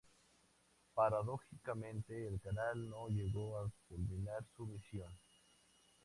Paradójicamente, el canal no llegó a culminar su misión.